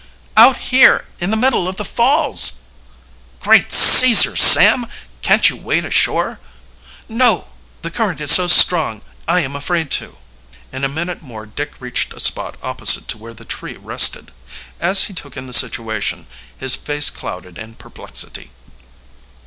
"Out here in the middle of the falls!" "Great Caesar, Sam! Can't you wade ashore?" "No; the current is so strong I am afraid to." In a minute more Dick reached a spot opposite to where the tree rested. As he took in the situation his face clouded in perplexity.